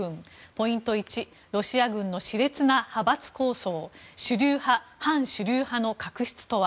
ポイント１ロシア軍の熾烈な派閥抗争主流派・反主流派の確執とは。